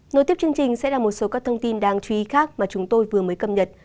nối tiếp chương trình sẽ là một số các thông tin đáng chú ý khác mà chúng tôi vừa mới cập nhật